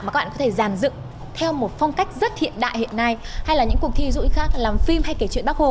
mà các bạn có thể giàn dựng theo một phong cách rất hiện đại hiện nay